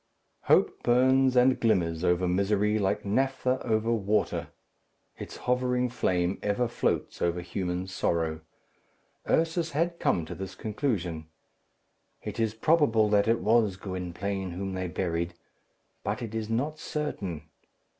Hope burns and glimmers over misery like naphtha over water. Its hovering flame ever floats over human sorrow. Ursus had come to this conclusion, "It is probable that it was Gwynplaine whom they buried, but it is not certain.